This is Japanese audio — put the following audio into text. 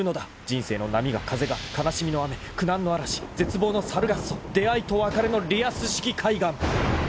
［人生の波が風が悲しみの雨苦難の嵐絶望のサルガッソ出会いと別れのリアス式海岸］